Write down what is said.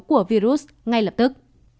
của virus ngay lập tức